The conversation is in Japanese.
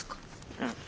うん。